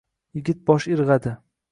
Yigit bosh irgʼadi.